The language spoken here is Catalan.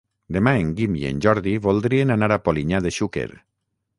Demà en Guim i en Jordi voldrien anar a Polinyà de Xúquer.